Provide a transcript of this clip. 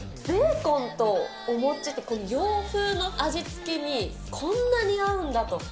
ベーコンとお餅って、この洋風の味付けにこんなに合うんだと。